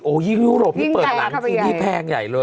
โอ้ยยิ่งยุโรปนี้เปิดร้านที่นี่แพงใหญ่เลย